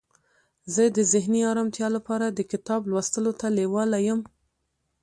زه د ذهني آرامتیا لپاره د کتاب لوستلو ته لیواله یم.